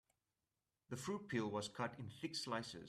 The fruit peel was cut in thick slices.